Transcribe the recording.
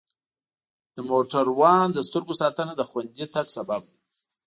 د موټروان د سترګو ساتنه د خوندي تګ سبب دی.